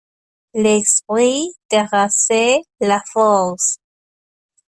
L'esprit terrassait la force.